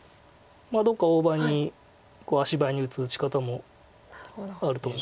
どこか大場に足早に打つ打ち方もあると思います。